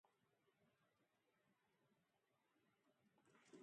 L'agostenc i el molló, com més petit millor.